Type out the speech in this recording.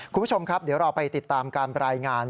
คุณผู้ชมครับเดี๋ยวเราไปติดตามการรายงาน